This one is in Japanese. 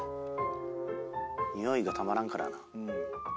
匂いがたまらんからな。